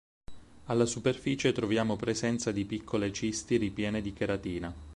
Alla superficie troviamo presenza di piccole cisti ripiene di cheratina.